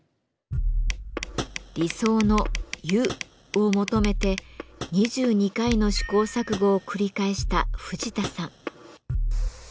理想の「ゆ」を求めて２２回の試行錯誤を繰り返した藤田さん。